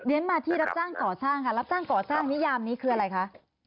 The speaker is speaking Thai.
มาที่รับจ้างก่อสร้างค่ะรับจ้างก่อสร้างนิยามนี้คืออะไรคะ